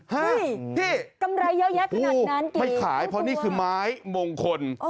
ให้กำไรเยอะแยะขนาดนั้นไม่ขายเพราะนี่คือไม้มงคล